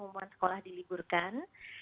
pemumuhan sekolah diliburkan